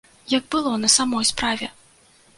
Як было на самой справе?